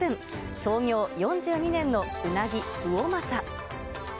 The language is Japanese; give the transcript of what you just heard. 創業４２年のうなぎ魚政。